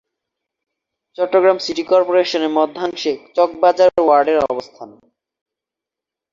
Chittagong city কর্পোরেশনের মধ্যাংশে চকবাজার ওয়ার্ডের অবস্থান।